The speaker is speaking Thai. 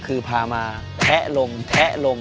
คือพามาแทะลงแทะลง